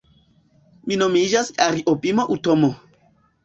Mi nomiĝas Ariobimo Utomo